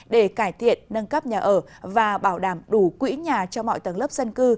để cải thiện nâng cấp nhà ở và bảo đảm đủ quỹ nhà cho mọi tầng lớp dân cư